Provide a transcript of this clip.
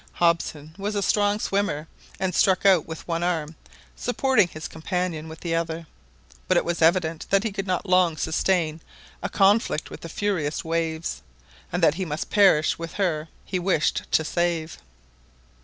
Hobson was a strong swimmer, and struck out with one arm, supporting his companion with the other. But it was evident that he could not long sustain a conflict with the furious waves, and that he must perish with her he wished to save.